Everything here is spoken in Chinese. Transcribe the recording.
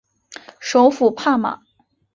首府帕马。